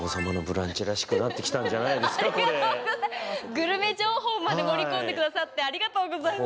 グルメ情報まで盛り込んでくださってありがとうございます。